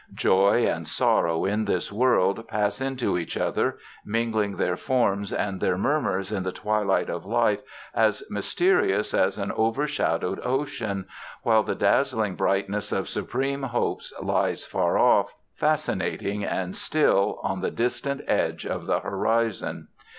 Joy and sorrow in this world pass into each other, mingling their forms and their murmurs in the twilight of life as mysterious as an overshadowed ocean, while the dazzling brightness of supreme hopes lies far off, fascinating and still, on the distant edge of the horizon.